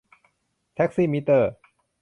แท็กซี่มิเตอร์